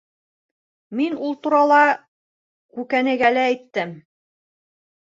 Мин ул турала Күкәнәйгә лә әйттем.